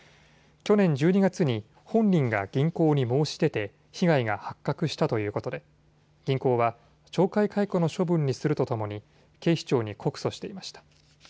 去年１２月に本人が銀行に申し出て被害が発覚したということで銀行は懲戒解雇の処分にするとともに警視庁に告訴していました。